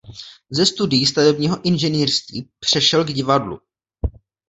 Ze studií stavebního inženýrství přešel k divadlu.